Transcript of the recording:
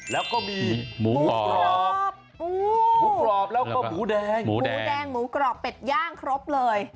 แล้วก็มีหมูกรอบหมูกรอบแล้วก็หมูแดงหมูแดงหมูกรอบเป็ดย่างครบเลย